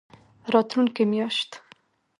راتلونکې میاشت